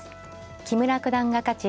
木村九段が勝ち